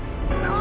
あ！